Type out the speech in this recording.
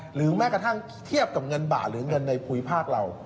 หรือแม้กระทั่งเทียบกับเงินบาทหรือเงินในภูมิภาคเรา